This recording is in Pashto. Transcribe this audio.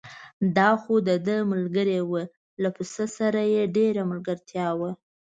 دا خو دده ملګری و، له پسه سره یې ډېره ملګرتیا وه.